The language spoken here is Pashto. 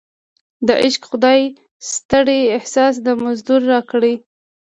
د عشق خدای ستړی احساس د مزدور راکړی